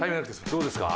どうですか？